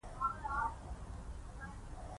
او صحت مند خوراک څۀ بلا ده -